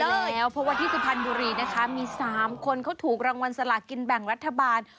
แล้วเพราะว่าที่สุพรรณบุรีนะคะมี๓คนเขาถูกรางวัลสลากินแบ่งรัฐบาล